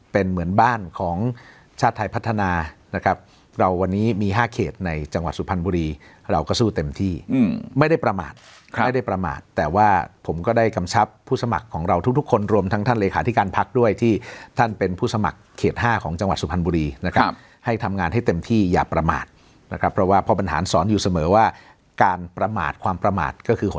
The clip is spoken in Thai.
เป็นเหมือนบ้านของชาติไทยพัฒนานะครับเราวันนี้มี๕เขตในจังหวัดสุพรรณบุรีเราก็สู้เต็มที่ไม่ได้ประมาทไม่ได้ประมาทแต่ว่าผมก็ได้กำชับผู้สมัครของเราทุกทุกคนรวมทั้งท่านเลขาธิการพักด้วยที่ท่านเป็นผู้สมัครเขต๕ของจังหวัดสุพรรณบุรีนะครับให้ทำงานให้เต็มที่อย่าประมาทนะครับเพราะว่าพ่อบรรหารสอนอยู่เสมอว่าการประมาทความประมาทก็คือห